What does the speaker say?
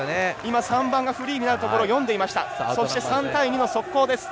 ３番がフリーになるところを読んでいました。